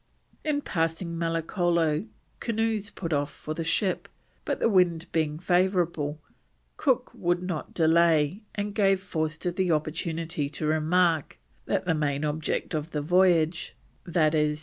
In passing Malicolo canoes put off for the ship, but the wind being favourable, Cook would not delay, and gave Forster the opportunity to remark that the main object of the voyage, i.e.